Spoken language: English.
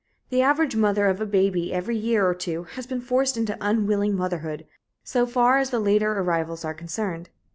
The average mother of a baby every year or two has been forced into unwilling motherhood, so far as the later arrivals are concerned.